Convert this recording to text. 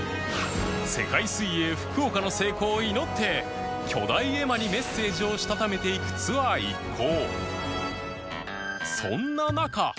世界水泳福岡の成功を祈って巨大絵馬にメッセージをしたためていくツアー一行